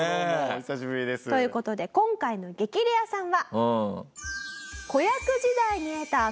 お久しぶりです。という事で今回の激レアさんは。